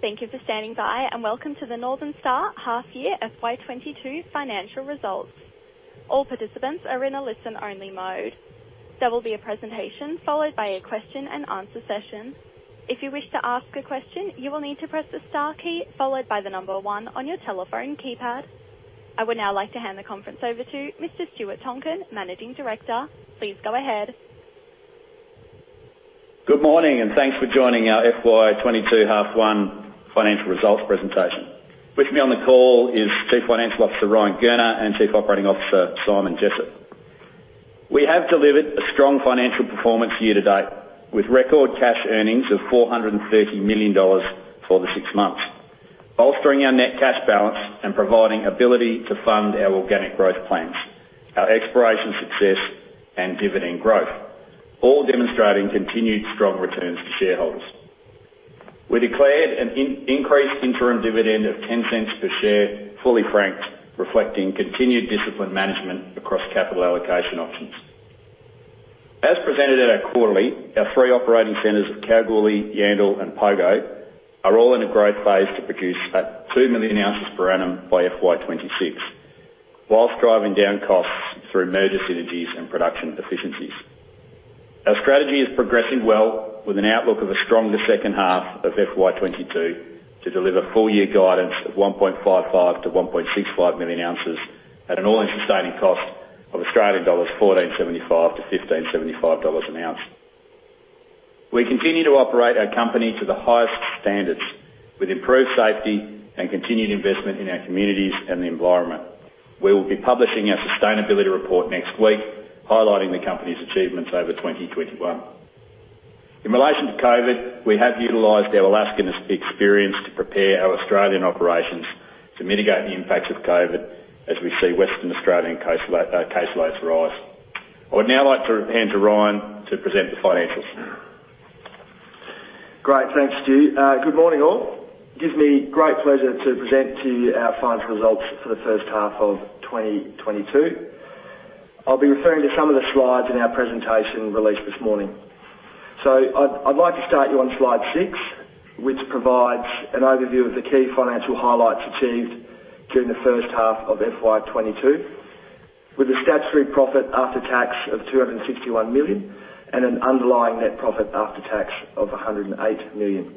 Thank you for standing by, and welcome to the Northern Star half year FY 2022 financial results. All participants are in a listen-only mode. There will be a presentation followed by a Q&A session. If you wish to ask a question, you will need to press the star key followed by the number one on your telephone keypad. I would now like to hand the conference over to Mr. Stuart Tonkin, Managing Director. Please go ahead. Good morning, and thanks for joining our FY 2022 H1 financial results presentation. With me on the call is Chief Financial Officer, Ryan Gurner, and Chief Operating Officer, Simon Jessop. We have delivered a strong financial performance year to date, with record cash earnings of 430 million dollars for the six months, bolstering our net cash balance and providing ability to fund our organic growth plans, our exploration success and dividend growth, all demonstrating continued strong returns to shareholders. We declared an increased interim dividend of 0.10 per share, fully franked, reflecting continued disciplined management across capital allocation options. As presented at our quarterly, our three operating centers at Kalgoorlie, Yandal, and Pogo are all in a growth phase to produce at two million oz per annum by FY 2026, while driving down costs through merger synergies and production efficiencies. Our strategy is progressing well with an outlook of a stronger second half of FY 2022 to deliver full -year guidance of 1.55 million oz-1.65 million oz at an all-in sustaining cost of 1,475-1,575 Australian dollars an ounce. We continue to operate our company to the highest standards with improved safety and continued investment in our communities and the environment. We will be publishing our sustainability report next week, highlighting the company's achievements over 2021. In relation to COVID, we have utilized our Alaskan experience to prepare our Australian operations to mitigate the impacts of COVID as we see Western Australian caseloads rise. I would now like to hand to Ryan to present the financials. Great. Thanks, Stu. Good morning, all. It gives me great pleasure to present to you our finest results for the first half of 2022. I'll be referring to some of the slides in our presentation released this morning. I'd like to start you on slide six, which provides an overview of the key financial highlights achieved during the first half of FY 2022, with a statutory profit after tax of 261 million and an underlying net profit after tax of 108 million.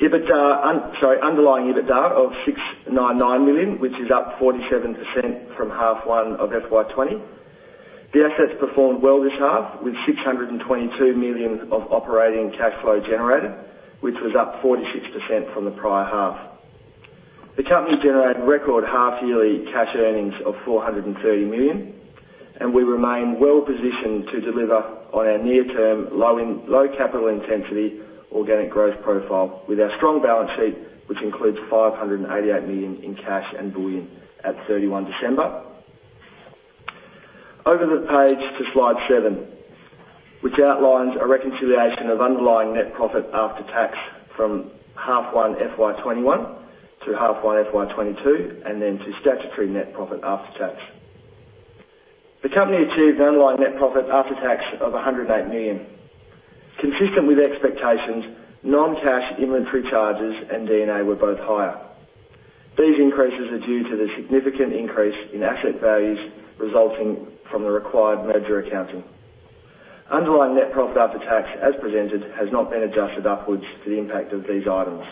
Underlying EBITDA of 699 million, which is up 47% from H1 of FY 2021. The assets performed well this half with 622 million of operating cash flow generated, which was up 46% from the prior half. The company generated record half-yearly cash earnings of 430 million, and we remain well positioned to deliver on our near-term low-in, low capital intensity organic growth profile with our strong balance sheet, which includes 588 million in cash and bullion at 31 December. Over the page to slide seven, which outlines a reconciliation of underlying net profit after tax from H1 FY 2021 to H1 FY 2022, and then to statutory net profit after tax. The company achieved underlying net profit after tax of 108 million. Consistent with expectations, non-cash inventory charges and D&A were both higher. These increases are due to the significant increase in asset values resulting from the required merger accounting. Underlying net profit after tax, as presented, has not been adjusted upwards for the impact of these items.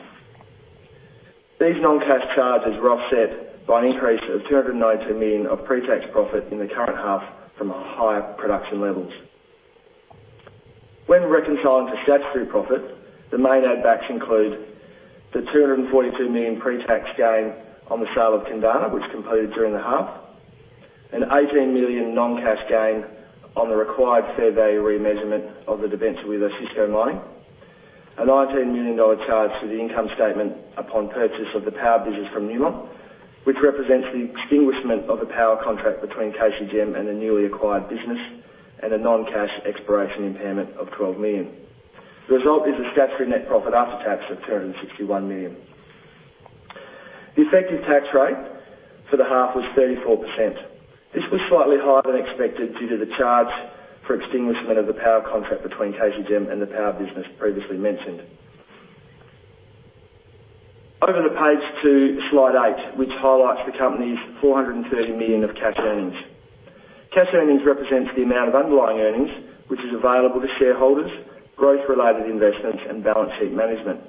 These non-cash charges were offset by an increase of 292 million of pre-tax profit in the current half from our higher production levels. When reconciling to statutory profit, the main add backs include the 242 million pre-tax gain on the sale of Kundana, which completed during the half, an 18 million non-cash gain on the required fair value remeasurement of the debenture with Osisko Mining, a 19 million dollar charge to the income statement upon purchase of the power business from Newmont, which represents the extinguishment of the power contract between KCGM and the newly acquired business, and a non-cash exploration impairment of 12 million. The result is a statutory net profit after tax of 261 million. The effective tax rate for the half was 34%. This was slightly higher than expected due to the charge for extinguishment of the power contract between KCGM and the Power business previously mentioned. Over the page to slide eight, which highlights the company's 430 million of cash earnings. Cash earnings represents the amount of underlying earnings which is available to shareholders, growth-related investments, and balance sheet management.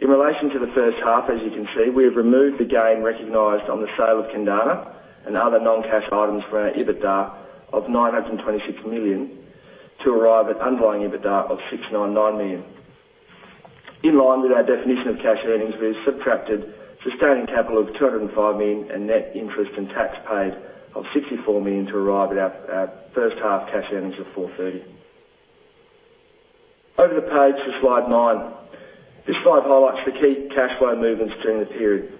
In relation to the first half, as you can see, we have removed the gain recognized on the sale of Kundana and other non-cash items from our EBITDA of 926 million to arrive at underlying EBITDA of 699 million. In line with our definition of cash earnings, we've subtracted sustaining capital of 205 million and net interest and tax paid of 64 million to arrive at our first half cash earnings of 430 million. Over the page to slide nine. This slide highlights the key cash flow movements during the period.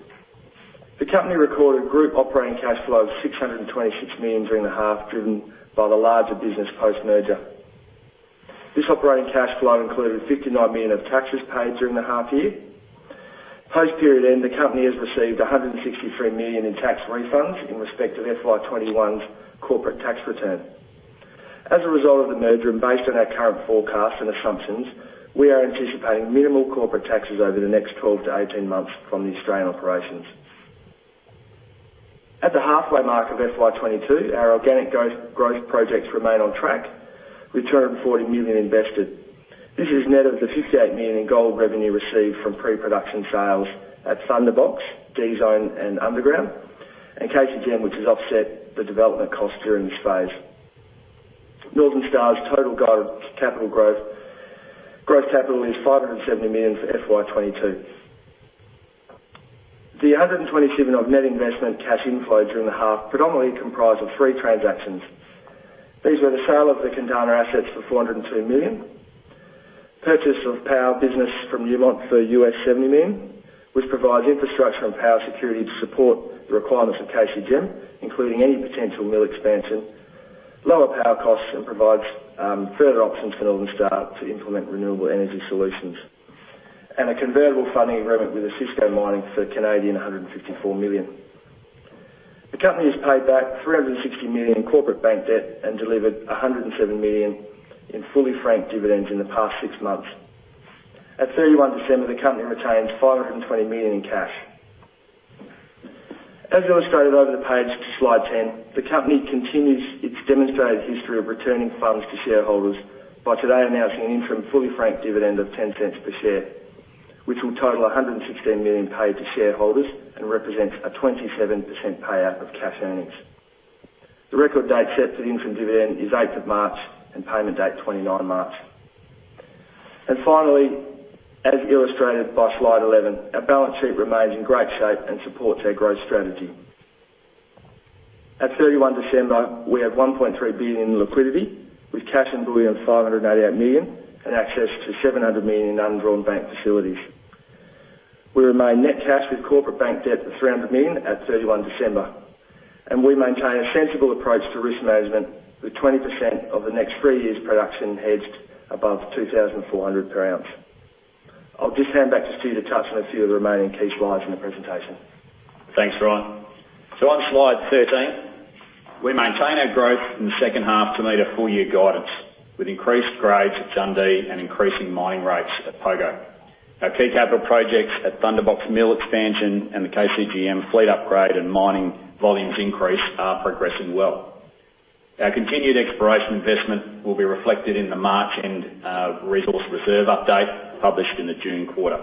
The company recorded group operating cash flow of 626 million during the half, driven by the larger business post-merger. This operating cash flow included 59 million of taxes paid during the half year. Post period end, the company has received 163 million in tax refunds in respect of FY 2021's corporate tax return. As a result of the merger and based on our current forecast and assumptions, we are anticipating minimal corporate taxes over the next 12-18 months from the Australian operations. At the halfway mark of FY 2022, our organic growth projects remain on track, with 240 million invested. This is net of the 58 million in gold revenue received from pre-production sales at Thunderbox, D Zone and underground, and KCGM, which has offset the development costs during this phase. Northern Star's total gold capital growth, gross capital is 570 million for FY 2022. The 127 million of net investment cash inflow during the half predominantly comprised of three transactions. These were the sale of the Kundana assets for 402 million, purchase of Power business from Newmont for $70 million, which provides infrastructure and power security to support the requirements of KCGM, including any potential mill expansion, lower power costs, and provides further options for Northern Star to implement renewable energy solutions, and a convertible funding arrangement with Osisko Mining for 154 million. The company has paid back 360 million in corporate bank debt and delivered 107 million in fully franked dividends in the past six months. At 31 December, the company retains 520 million in cash. As illustrated over the page to slide 10, the company continues its demonstrated history of returning funds to shareholders by today announcing an interim fully franked dividend of 0.10 per share, which will total 116 million paid to shareholders and represents a 27% payout of cash earnings. The record date set for the interim dividend is 8th of March and payment date 29 March. Finally, as illustrated by slide 11, our balance sheet remains in great shape and supports our growth strategy. At 31 December, we had 1.3 billion in liquidity, with cash and bullion 588 million, and access to 700 million in undrawn bank facilities. We remain net cash with corporate bank debt of 300 million at 31 December, and we maintain a sensible approach to risk management, with 20% of the next three years' production hedged above 2,400 per ounce. I'll just hand back to Stu to touch on a few of the remaining key slides in the presentation. Thanks, Ryan. On slide 13, we maintain our growth in the second half to meet our full-year guidance with increased grades at Jundee and increasing mining rates at Pogo. Our key capital projects at Thunderbox Mill expansion and the KCGM fleet upgrade and mining volumes increase are progressing well. Our continued exploration investment will be reflected in the March and resource reserve update, published in the June quarter.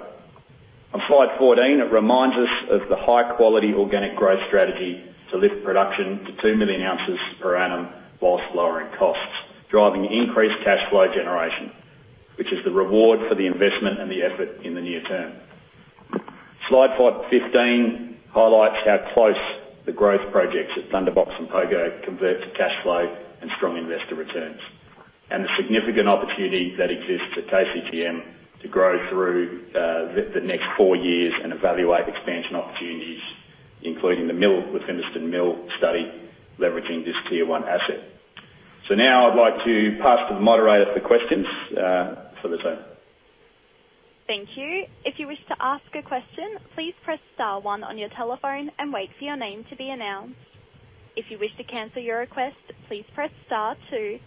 On slide 14, it reminds us of the high-quality organic growth strategy to lift production to two million oz per annum while lowering costs, driving increased cash flow generation, which is the reward for the investment and the effort in the near term. Slide 15 highlights how close the growth projects at Thunderbox and Pogo convert to cash flow and strong investor returns, and the significant opportunity that exists at KCGM to grow through the next four years and evaluate expansion opportunities, including the mill, the Fimiston Mill study, leveraging this tier-one asset. Now I'd like to pass to the moderator for questions, for the zone. Thank you. If you wish to ask a question, please press star one on your telephone and wait for your name to be announced. If you wish to cancel your request, please press star two.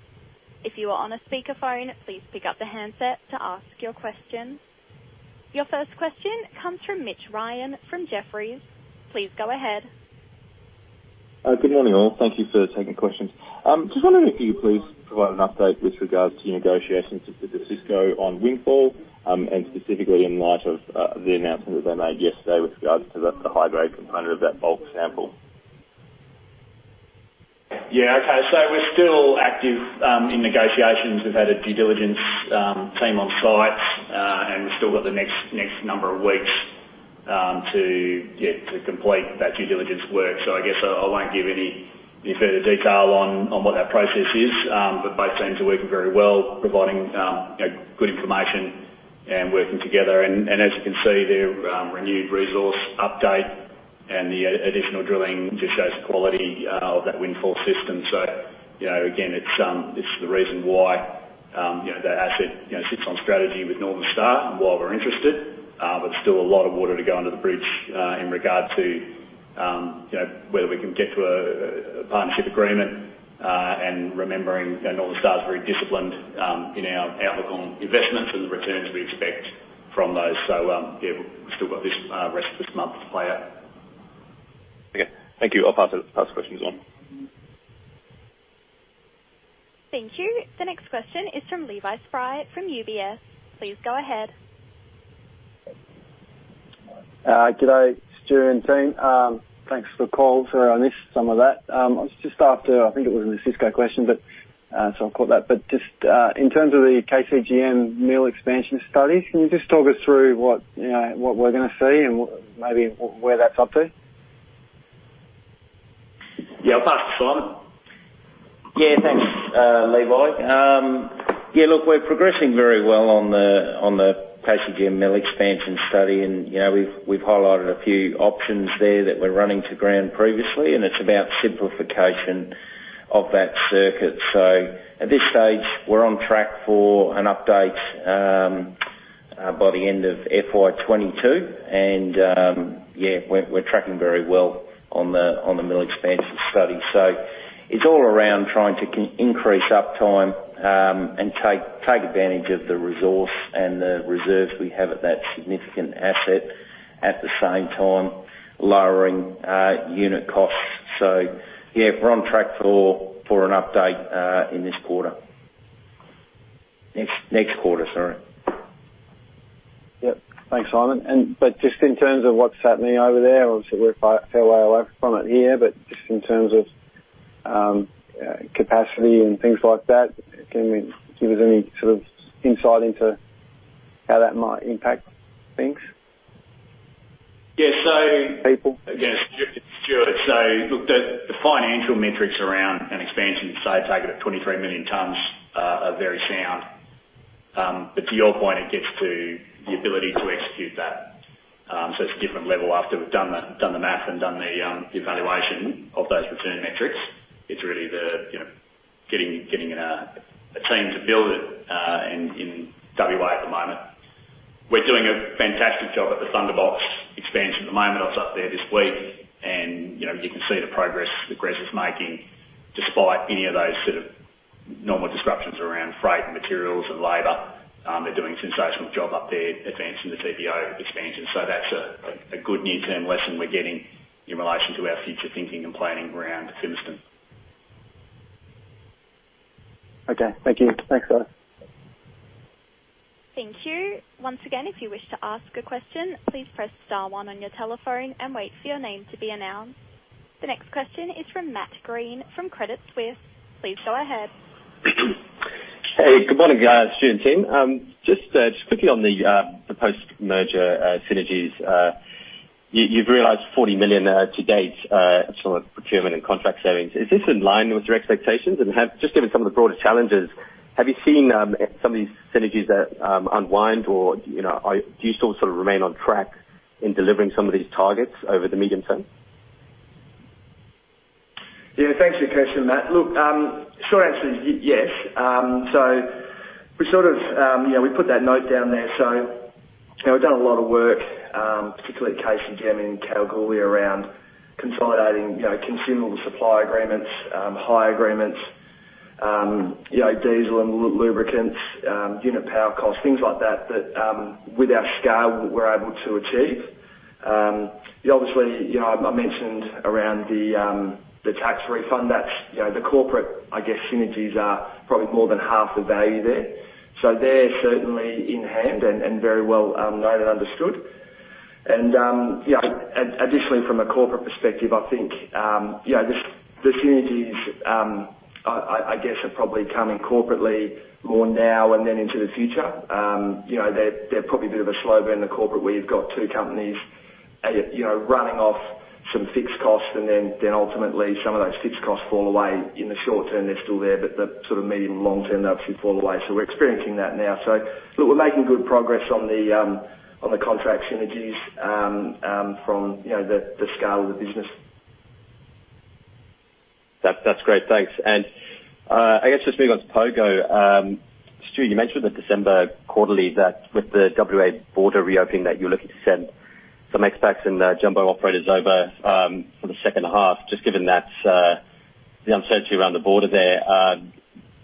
If you are on a speakerphone, please pick up the handset to ask your question. Your first question comes from Mitch Ryan from Jefferies. Please go ahead. Good morning, all. Thank you for taking questions. Just wondering if you could please provide an update with regards to your negotiations with Osisko on Windfall, and specifically in light of the announcement that they made yesterday with regards to the high-grade component of that bulk sample. Yeah. Okay. We're still active in negotiations. We've had a due diligence team on site, and we've still got the next number of weeks to get to complete that due diligence work. I guess I won't give any further detail on what that process is. Both teams are working very well, providing you know good information and working together. As you can see, their renewed resource update and the additional drilling just shows the quality of that Windfall system. You know, again, it's the reason why you know that asset you know sits on strategy with Northern Star and why we're interested. Still a lot of water to go under the bridge in regard to you know whether we can get to a partnership agreement and remembering that Northern Star is very disciplined in our outlook on investments and the returns we expect from those. Yeah we've still got the rest of this month to play out. Okay. Thank you. I'll pass the question along. Thank you. The next question is from Levi Spry from UBS. Please go ahead. Good day, Stu and team. Thanks for the call. Sorry I missed some of that. I was just after, I think it was the Osisko question, but so I'll cut that. But just in terms of the KCGM mill expansion study, can you just talk us through what, you know, what we're gonna see and maybe where that's up to? Yeah. I'll pass to Simon. Yeah, thanks, Levi. Yeah, look, we're progressing very well on the KCGM mill expansion study. You know, we've highlighted a few options there that we're running to ground previously, and it's about simplification. Of that circuit. At this stage, we're on track for an update by the end of FY 2022 and yeah, we're tracking very well on the mill expansion study. It's all around trying to increase uptime and take advantage of the resource and the reserves we have at that significant asset, at the same time lowering unit costs. Yeah, we're on track for an update in this quarter. Next quarter, sorry. Yep. Thanks, Simon. Just in terms of what's happening over there, obviously we're a fair way away from it here, but just in terms of capacity and things like that, can you give us any sort of insight into how that might impact things? Yeah. People. Stuart. Look, the financial metrics around an expansion target of 23 million tons are very sound. But to your point, it gets to the ability to execute that. It's a different level. After we've done the math and done the evaluation of those return metrics, it's really, you know, getting a team to build it in WA at the moment. We're doing a fantastic job at the Thunderbox expansion at the moment. I was up there this week and, you know, you can see the progress is making despite any of those sort of normal disruptions around freight and materials and labor. They're doing a sensational job up there advancing the Thunderbox expansion. That's a good near-term lesson we're getting in relation to our future thinking and planning around Fimiston. Okay. Thank you. Thanks a lot. Thank you. Once again, if you wish to ask a question, please press star one on your telephone and wait for your name to be announced. The next question is from Matt Greene from Credit Suisse. Please go ahead. Hey, good morning, Stu and team. Just quickly on the post-merger synergies. You've realized 40 million to date, sort of procurement and contract savings. Is this in line with your expectations? Just given some of the broader challenges, have you seen some of these synergies unwind or, you know, do you still sort of remain on track in delivering some of these targets over the medium term? Yeah. Thanks for your question, Matt. Look, short answer is yes. We sort of, you know, we put that note down there. You know, we've done a lot of work, particularly at KCGM and Kalgoorlie around consolidating, you know, consumable supply agreements, hire agreements, you know, diesel and lubricants, unit power costs, things like that with our scale we're able to achieve. Obviously, you know, I mentioned around the tax refund that, you know, the corporate, I guess, synergies are probably more than half the value there. They're certainly in hand and very well known and understood. You know, additionally from a corporate perspective, I think, you know, the synergies, I guess, are probably coming corporately more now and then into the future. You know, they're probably a bit of a slow burn to corporate, where you've got two companies, you know, running off some fixed costs and then ultimately some of those fixed costs fall away. In the short -term, they're still there, but the sort of medium long- term, they obviously fall away. We're experiencing that now. Look, we're making good progress on the contract synergies from, you know, the scale of the business. That's great. Thanks. I guess just moving on to Pogo. Stu, you mentioned in the December quarterly that with the WA border reopening, that you're looking to send some expats and jumbo operators over for the second half. Just given that the uncertainty around the border there,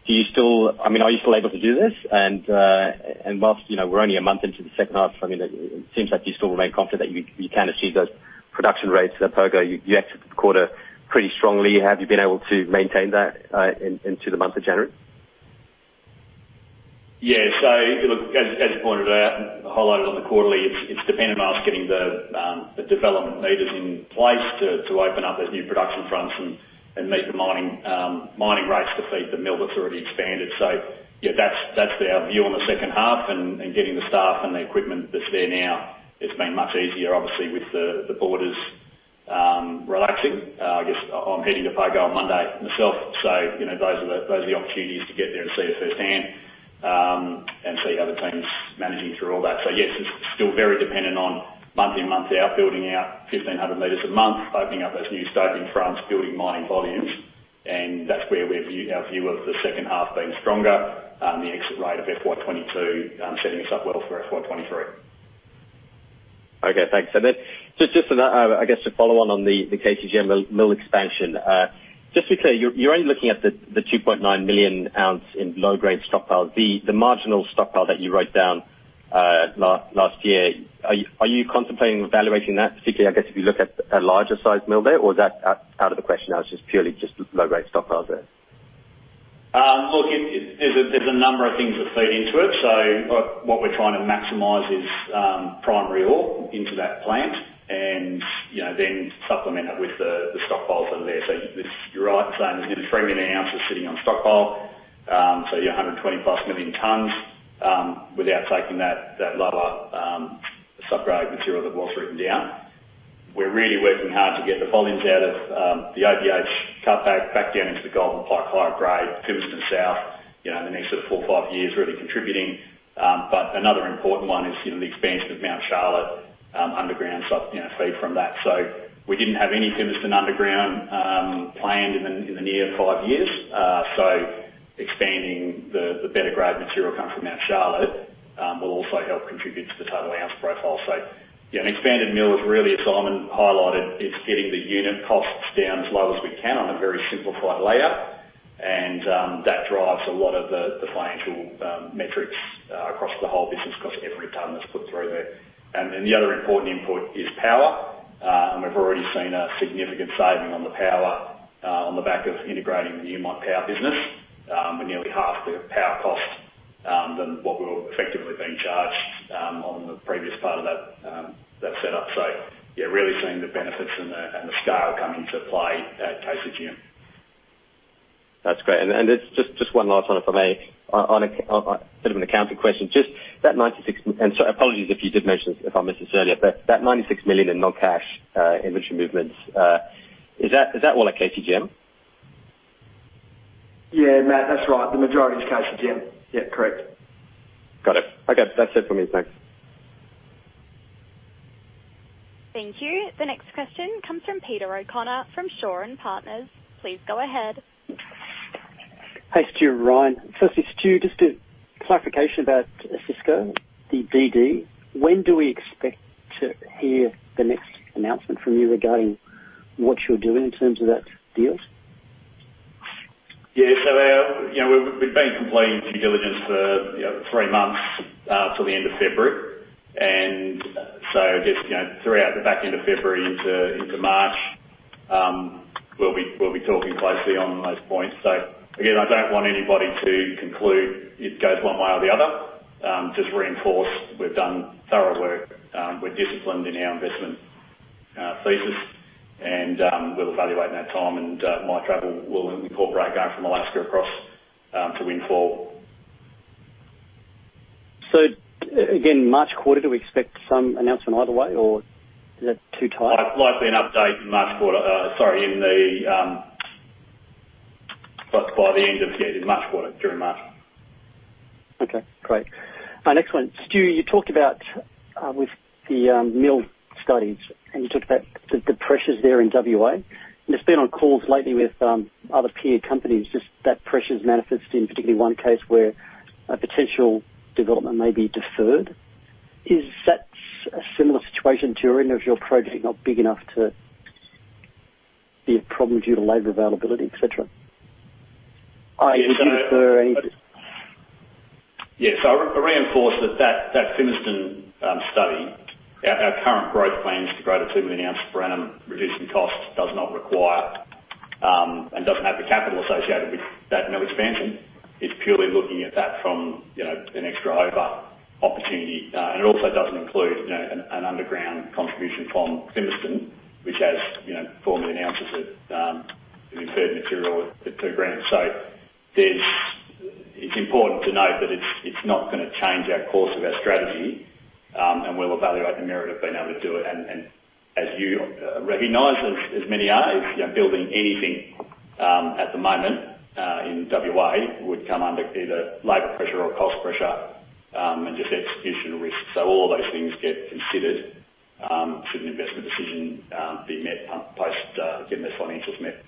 do you still, I mean, are you still able to do this? Whilst, you know, we're only a month into the second half, I mean, it seems like you still remain confident you can achieve those production rates at Pogo. You exited the quarter pretty strongly. Have you been able to maintain that into the month of January? Yeah. Look, as you pointed out and highlighted on the quarterly, it's dependent on us getting the development meters in place to open up those new production fronts and meet the mining rates to feed the mill that's already expanded. Yeah, that's our view on the second half and getting the staff and the equipment that's there now. It's been much easier obviously with the borders relaxing. I guess I'm heading to Pogo on Monday myself, so you know, those are the opportunities to get there and see it firsthand and see how the team's managing through all that. Yes, it's still very dependent on month in, month out, building out 1,500 m a month, opening up those new starting fronts, building mining volumes, and that's where our view of the second half being stronger, the exit rate of FY 2022 setting us up well for FY 2023. Okay, thanks. Just for that, I guess to follow on the KCGM mill expansion. Just to be clear, you're only looking at the 2.9 million oz in low-grade stockpiles D. The marginal stockpile that you wrote down last year, are you contemplating evaluating that, particularly I guess if you look at a larger size mill there or is that out of the question now? It's just purely low-grade stockpiles there? Look, there's a number of things that feed into it. What we're trying to maximize is primary ore into that plant and, you know, then supplement it with the stockpiles that are there. You're right in saying there's nearly three million oz sitting on stockpile, your 120+ million tons without taking that lower subgrade material that was written down. We're really working hard to get the volumes out of the OBH cutback back down into the Golden Pike higher grade, Fimiston South, you know, in the next sort of four or five years really contributing. Another important one is, you know, the expansion of Mount Charlotte underground, so you know, feed from that. We didn't have any Fimiston underground planned in the near five years. Expanding the better grade material coming from Mount Charlotte will also help contribute to the total ounce profile. An expanded mill is really, as Simon highlighted, it's getting the unit costs down as low as we can on a very simplified layout, and that drives a lot of the financial metrics across the whole business 'cause every ton that's put through there. The other important input is power. We've already seen a significant saving on the power on the back of integrating the Newmont Power business. We're nearly half the power cost than what we were effectively being charged on the previous part of that setup. You're really seeing the benefits and the scale coming into play at KCGM. That's great. Just one last one, if I may. On a bit of an accounting question, and sorry, apologies if you did mention this, if I missed this earlier, but that 96 million in non-cash inventory movements, is that all at KCGM? Yeah, Matt, that's right. The majority is KCGM. Yeah, correct. Got it. Okay. That's it for me. Thanks. Thank you. The next question comes from Peter O'Connor, from Shaw and Partners. Please go ahead. Hey, Stu and Ryan. Firstly, Stu, just a clarification about Osisko, the DD. When do we expect to hear the next announcement from you regarding what you're doing in terms of that deal? Yeah. You know, we've been completing due diligence for you know three months till the end of February. Just, you know, throughout the back end of February into March, we'll be talking closely on those points. Again, I don't want anybody to conclude it goes one way or the other. Just reinforce we've done thorough work. We're disciplined in our investment thesis, and we'll evaluate in that time and my travel will incorporate going from Alaska across to Windfall. Again, March quarter, do we expect some announcement either way or is that too tight? Likely an update in March quarter. Sorry, by the end of in March quarter, during March. Okay, great. Next one. Stu, you talked about, with the mill studies, and you talked about the pressures there in WA, and it's been on calls lately with other peer companies, just that pressure's manifested in particularly one case where a potential development may be deferred. Is that a similar situation to you and if your project not big enough to be a problem due to labor availability, et cetera? Are you considering any. Yes. I reinforce that Fimiston study, our current growth plans to grow to two million oz per annum, reducing costs, does not require and doesn't have the capital associated with that mill expansion. It's purely looking at that from, you know, an extra over opportunity. It also doesn't include, you know, an underground contribution from Fimiston, which has, you know, four million oz of inferred material at two gram. It's important to note that it's not gonna change our course of our strategy, and we'll evaluate the merit of being able to do it. As you recognize, as many are, you know, building anything at the moment in WA would come under either labor pressure or cost pressure, and just execution risk. All of those things get considered, should an investment decision be met, post again those financials met.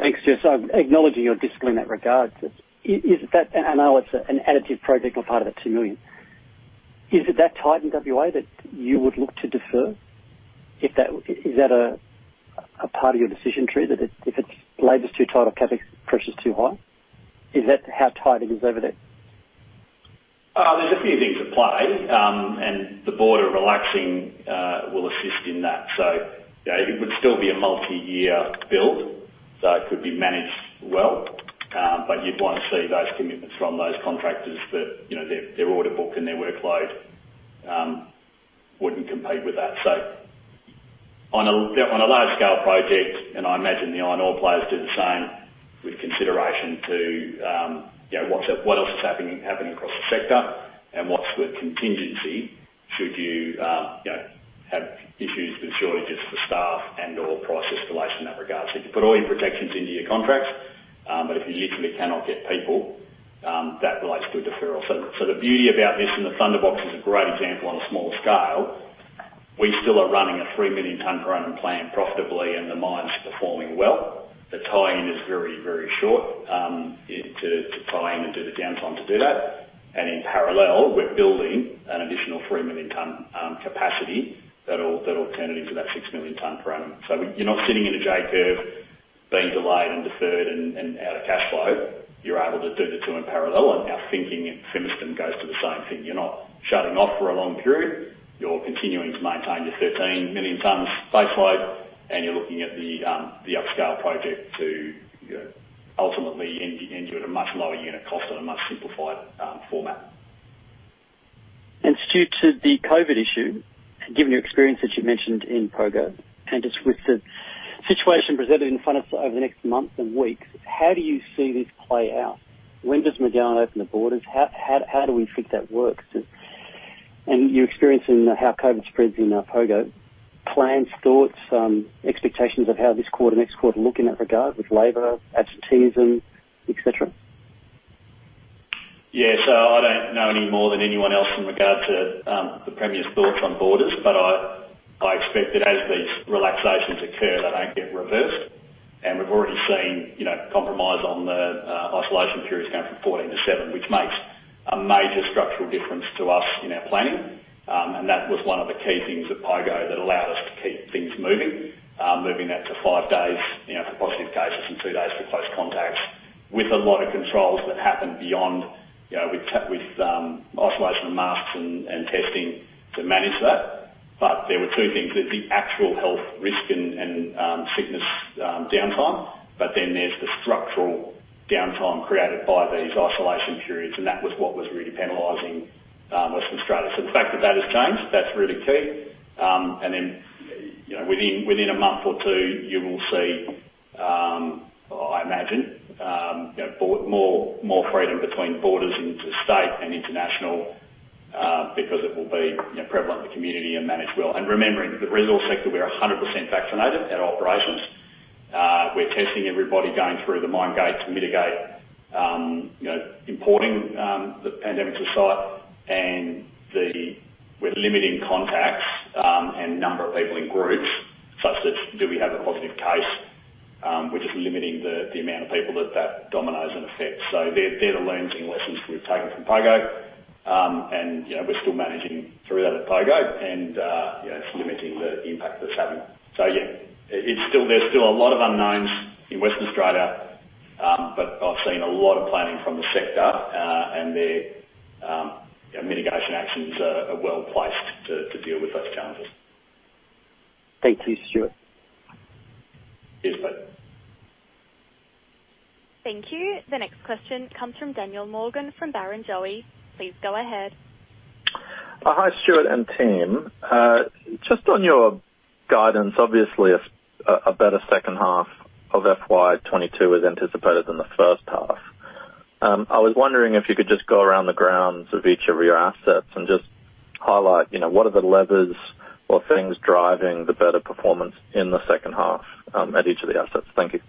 Thanks, Stu. Acknowledging your discipline in that regard, is that... I know it's an additive project a part of that two million oz. Is it that tight in WA that you would look to defer? Is that a part of your decision tree that if it's labor's too tight or capital pressure's too high? Is that how tight it is over there? There's a few things at play, and the board are relaxing will assist in that. You know, it would still be a multi-year build, so it could be managed well, but you'd want to see those commitments from those contractors that, you know, their order book and their workload wouldn't compete with that. On a large scale project, I imagine the iron ore players do the same with consideration to, you know, what else is happening across the sector and what's the contingency should you know, have issues with shortages for staff and/or price escalation in that regard. You put all your protections into your contracts, but if you literally cannot get people, that relates to a deferral. The beauty about this, the Thunderbox is a great example on a smaller scale. We still are running a three million tons per annum plant profitably and the mine's performing well. The tie-in is very, very short, to tie in and do the downtime to do that. In parallel, we're building an additional three million ton capacity that'll turn it into that six million tons per annum. You're not sitting in a J curve being delayed and deferred and out of cash flow. You're able to do the two in parallel. Our thinking in Fimiston goes to the same thing. You're not shutting off for a long period. You're continuing to maintain your 13 million tons base load, and you're looking at the upscale project to, you know, ultimately end it at a much lower unit cost on a much simplified format. Stu, to the COVID issue, given your experience that you mentioned in Pogo and just with the situation presented in front of us over the next month and weeks, how do you see this play out? When does McGowan open the borders? How do we think that works? You're experiencing how COVID spreads in Pogo. Plans, thoughts, expectations of how this quarter, next quarter look in that regard with labor, absenteeism, et cetera? Yeah. I don't know any more than anyone else in regard to the Premier's thoughts on borders, but I expect that as these relaxations occur, they don't get reversed. We've already seen, you know, compromise on the isolation periods going from 14 to seven, which makes a major structural difference to us in our planning. That was one of the key things at Pogo that allowed us to keep things moving that to five days, you know, for positive cases and 2 days for close contacts, with a lot of controls that happened beyond, you know, with isolation masks and testing to manage that. There were two things. There's the actual health risk and sickness, downtime, but then there's the structural downtime created by these isolation periods, and that was what was really penalizing Western Australia. The fact that has changed, that's really key. You know, within a month or two, you will see, I imagine, you know, more freedom between borders into state and international, because it will be, you know, prevalent in the community and managed well. Remembering the resource sector, we are 100% vaccinated at operations. We're testing everybody going through the mine gate to mitigate, you know, importing the pandemic to site and the We're limiting contacts and number of people in groups such that if we have a positive case, we're just limiting the amount of people that the domino effect affects. They're the learnings and lessons we've taken from Pogo. You know, we're still managing through that at Pogo and, you know, it's limiting the impact that's having. Yeah, it's still, there's still a lot of unknowns in Western Australia. I've seen a lot of planning from the sector, and their, you know, mitigation actions are well placed to deal with those challenges. Thank you, Stuart. Cheers, mate. Thank you. The next question comes from Daniel Morgan from Barrenjoey. Please go ahead. Hi, Stuart and team. Just on your guidance, obviously a better second half of FY 2022 is anticipated than the first half. I was wondering if you could just go around the grounds of each of your assets and just highlight, you know, what are the levers or things driving the better performance in the second half, at each of the assets. Thank you.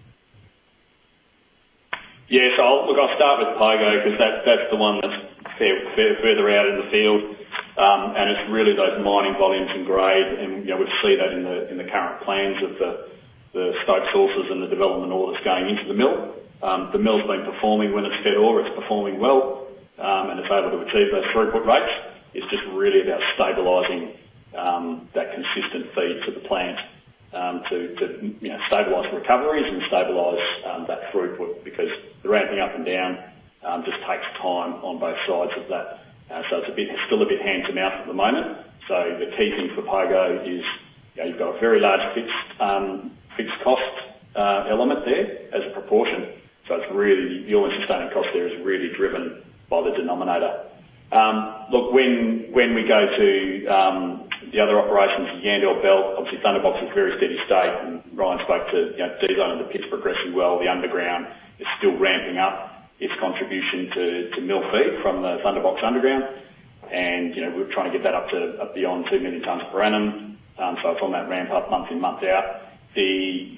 Look, I'll start with Pogo because that's the one that's fairly further out in the field. It's really those mining volumes and grade and, you know, we see that in the current plans of the stope sources and the development ore that's going into the mill. The mill's been performing when it's fed ore, it's performing well, and it's able to achieve those throughput rates. It's just really about stabilizing that consistent feed to the plant to, you know, stabilize the recoveries and stabilize that throughput because the ramping up and down just takes time on both sides of that. It's still a bit hand-to-mouth at the moment. The key thing for Pogo is, you know, you've got a very large fixed cost element there as a proportion. It's really, your only sustaining cost there is really driven by the denominator. Look, when we go to the other operations at Yandal Belt, obviously Thunderbox is very steady state. Ryan Gurner spoke to, you know, D Zone of the pits progressing well. The underground is still ramping up its contribution to mill feed from the Thunderbox underground. You know, we're trying to get that up to beyond two million tons per annum. It's on that ramp up month in, month out. The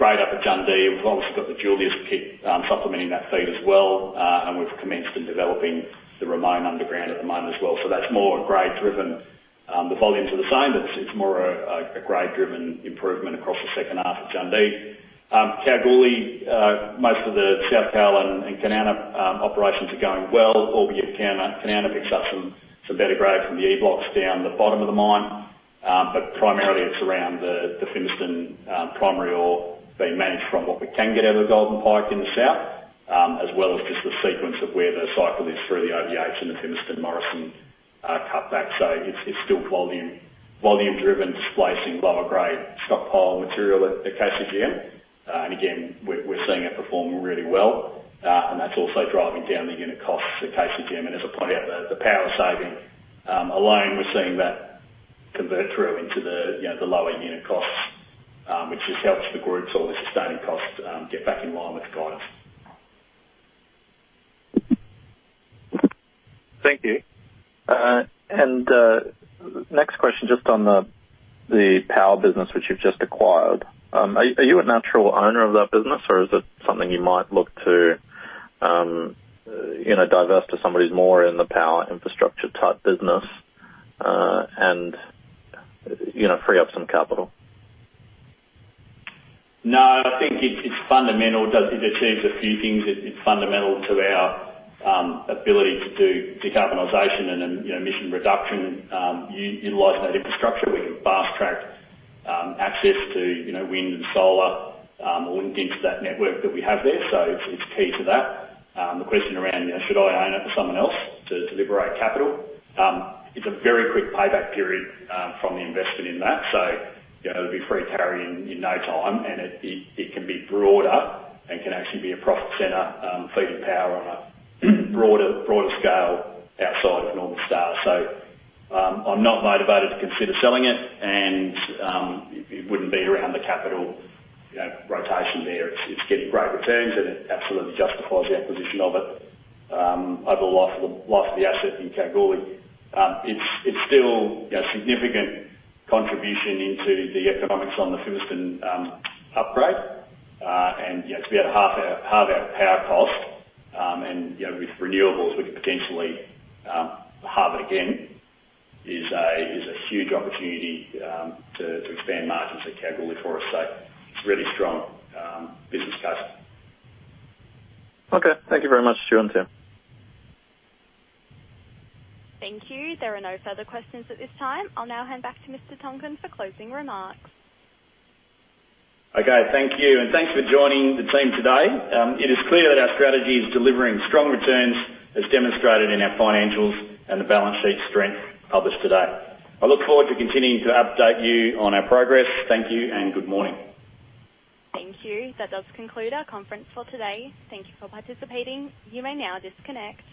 grade up at Jundee, we've obviously got the Julius pit supplementing that feed as well. We've commenced developing the Ramone underground at the moment as well. That's more grade driven. The volumes are the same, but it's more a grade driven improvement across the second half at Jundee. Kalgoorlie, most of the South Kalgoorlie and Kanowna operations are going well, albeit Kanowna picks up some better grade from the E blocks down the bottom of the mine. Primarily it's around the Fimiston primary ore being managed from what we can get out of Golden Pike in the south, as well as just the sequence of where the cycle is through the OBH and the Fimiston Morrison cutback. It's still volume driven displacing lower grade stockpile material at KCGM. Again, we're seeing it perform really well. That's also driving down the unit costs at KCGM. As I pointed out, the power saving alone, we're seeing that convert through into, you know, the lower unit costs, which just helps the group's all-in sustaining costs get back in line with guidance. Thank you. Next question just on the power business which you've just acquired. Are you a natural owner of that business, or is it something you might look to, you know, divest to somebody who's more in the power infrastructure type business, and you know, free up some capital? No, I think it's fundamental. It achieves a few things. It's fundamental to our ability to do decarbonization and then, you know, emission reduction, utilizing that infrastructure. We can fast track access to, you know, wind and solar, or link into that network that we have there. It's key to that. The question around, you know, should I own it for someone else to liberate capital? It's a very quick payback period from the investment in that. You know, it'll be free carrying in no time, and it can be broader and can actually be a profit center, feeding power on a broader scale outside of Northern Star. I'm not motivated to consider selling it, and it wouldn't be around the capital, you know, rotation there. It's getting great returns, and it absolutely justifies the acquisition of it over the life of the asset in Kalgoorlie. It's still a significant contribution into the economics on the Fimiston upgrade. Yeah, to be able to halve our power cost, and you know, with renewables, we could potentially halve it again, is a huge opportunity to expand margins at Kalgoorlie for us. It's a really strong business case. Okay. Thank you very much, Stuart and team. Thank you. There are no further questions at this time. I'll now hand back to Mr. Tonkin for closing remarks. Okay. Thank you. Thanks for joining the team today. It is clear that our strategy is delivering strong returns as demonstrated in our financials and the balance sheet strength published today. I look forward to continuing to update you on our progress. Thank you and good morning. Thank you. That does conclude our conference for today. Thank you for participating. You may now disconnect.